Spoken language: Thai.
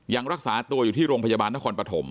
ยังรักษาตัวอยู่ที่โรงพยาบาลนครปฐม